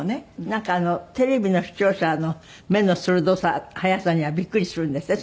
なんかテレビの視聴者の目の鋭さ早さにはびっくりするんですって？